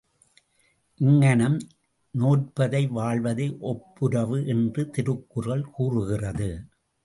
இங்ஙணம் நோற்பதை வாழ்வதை ஒப்புரவு என்று திருக்குறள் கூறுகிறது.